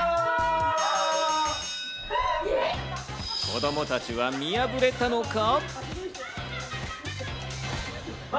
子供たちは見破れたのか？